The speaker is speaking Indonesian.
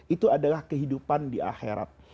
itu adalah kehidupan di akhirat